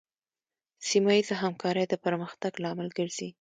سیمه ایزه همکارۍ د پرمختګ لامل ګرځي.